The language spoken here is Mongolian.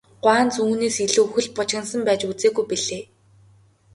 Гуанз үүнээс илүү хөл бужигнасан байж үзээгүй билээ.